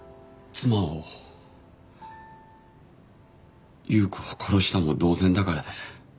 妻を優子を殺したも同然だからです。